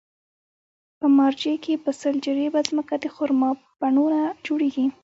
په مارجې کې په سل جریبه ځمکه د خرما پڼونه جوړېږي.